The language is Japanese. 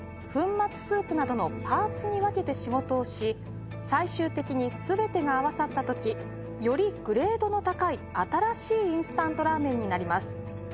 末スープなどのパーツに分けて仕事をし最終的に全てが合わさったときよりグレードの高い新しいインスタントラーメンになります